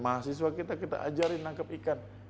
mahasiswa kita kita ajarin nangkep ikan